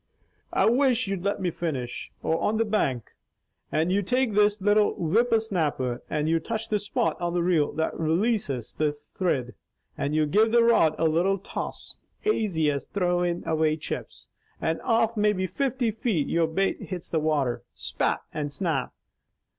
"I wish you'd let me finish! or on the bank, and you take this little whipper snapper, and you touch the spot on the reel that relases the thrid, and you give the rod a little toss, aisy as throwin' away chips, and off maybe fifty feet your bait hits the water, 'spat!' and 'snap!'